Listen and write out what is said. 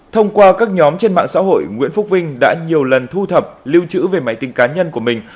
thông qua các nhóm trên mạng xã hội nguyễn phúc vinh đã nhiều lần thu thập lưu trữ về máy tính cá nhân của mình